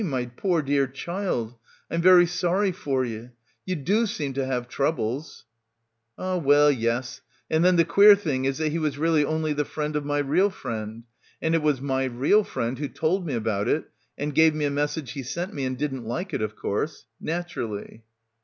"Eh, my poor dear child, I'm very sorry for ye. Ye do seem to have troubles." "Ah well, yes, and then the queer thing is that he was really only the friend of my real friend. And it was my real friend who told me about it and gave me a message he sent me and didn't like it, of course. Natu rally."